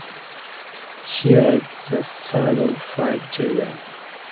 He was the third of five children.